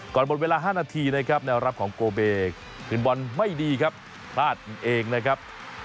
หมดเวลา๕นาทีนะครับแนวรับของโกเบคุณบอลไม่ดีครับพลาดเองนะครับ